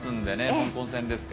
香港戦ですか。